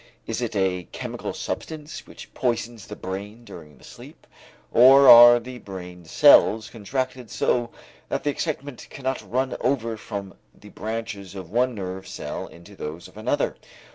Is it a chemical substance which poisons the brain during the sleep, or are the brain cells contracted so that the excitement cannot run over from the branches of one nerve cell into those of another?